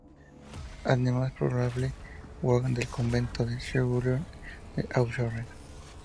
Además, probable Vogt del convento de St-Julien-d'Auxerre.